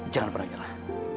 jangan pernah nyerah